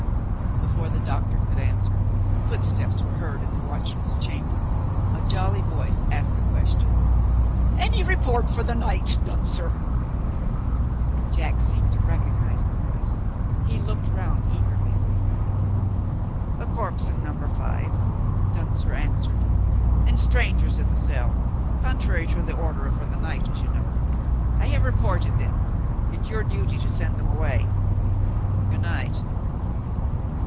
Before the doctor could answer, footsteps were heard in the Watchman's Chamber. A jolly voice asked a question. "Any report for the night, Duntzer?" Jack seemed to recognize the voice. He looked round eagerly. "A corpse in Number Five," Duntzer answered. "And strangers in the cell. Contrary to the order for the night, as you know. I have reported them; it's your duty to send them away. Good night."